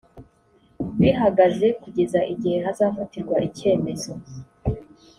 bihagaze kugeza igihe hazafatirwa icyemezo